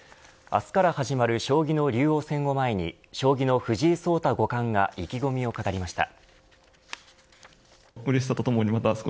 明日から始まる将棋の竜王戦を前に将棋の藤井聡太五冠が意気込みを語りました。